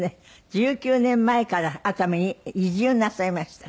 １９年前から熱海に移住なさいました。